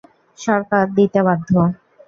সরকার দিতে বাধ্য।